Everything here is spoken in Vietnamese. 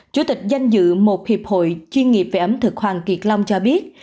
chủ tịch danh dự một hiệp hội chuyên nghiệp về ẩm thực hoàng kiệt long cho biết